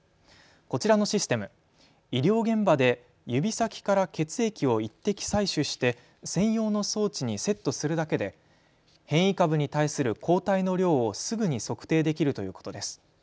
こちらのシステム、医療現場で指先から血液を１滴採取して専用の装置にセットするだけで変異株に対する抗体の量をすぐに測定できるということです。